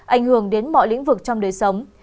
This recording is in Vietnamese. ảnh hưởng đến mọi lĩnh vực trong đời sống